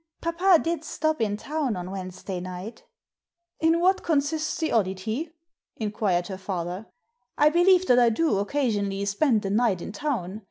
•Papa did stop in town on Wednesday night" " In what consists the oddity ?" inquired her father. I believe that I do, occasionally, spend a night in town.